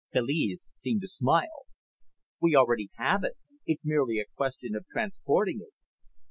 Kaliz seemed to smile. "We already have it. It's merely a question of transporting it."